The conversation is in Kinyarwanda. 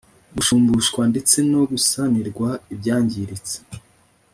gushumbushwa ndetse no gusanirwa ibyangiritse